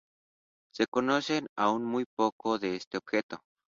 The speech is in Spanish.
Se conoce aún muy poco de este objeto.